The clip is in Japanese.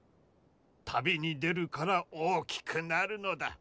旅に出るから大きくなるのだ。